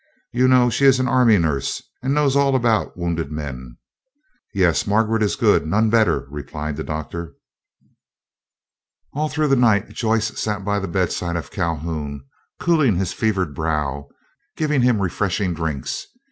You know she is an army nurse, and knows all about wounded men." "Yes, Margaret is good, none better," replied the Doctor. All through that night Joyce sat by the bedside of Calhoun cooling his fevered brow, giving him refreshing drinks.